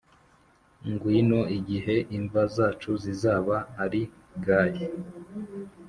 ngwino igihe imva zacu zizaba ari gay: